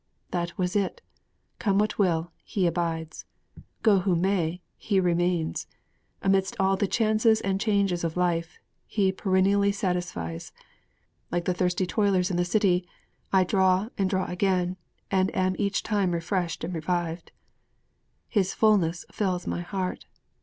_' That was it! Come what will, He abides! Go who may, He remains! Amidst all the chances and changes of life, He perennially satisfies. Like the thirsty toilers in the city, I draw and draw again, and am each time refreshed and revived. '_His fullness fills my heart!